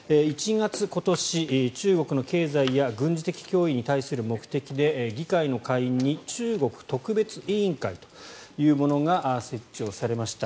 今年１月中国の経済や軍事的脅威に対する目的で議会の下院に中国特別委員会というものが設置をされました。